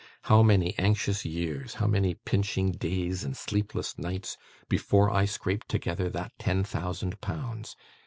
How many anxious years, how many pinching days and sleepless nights, before I scraped together that ten thousand pounds!